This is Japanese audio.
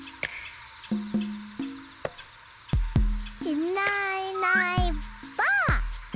いないいないばあっ！